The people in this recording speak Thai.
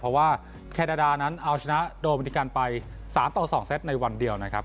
เพราะว่าแคนาดานั้นเอาชนะโดมินิกันไป๓ต่อ๒เซตในวันเดียวนะครับ